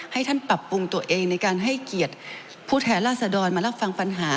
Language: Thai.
ให้ท่านปรับปรุงตัวเองในการให้เกียรติผู้แทนราษฎรมารับฟังปัญหา